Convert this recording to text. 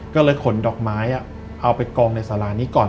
ก็เลยขนดอกไม้เอาไปกองในสารานี้ก่อน